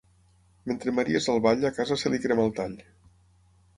Mentre Maria és al ball a casa se li crema el tall.